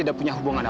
aku mau kemana